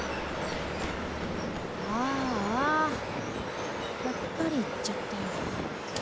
ああやっぱり行っちゃったよ。